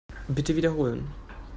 Bitte wiederholen.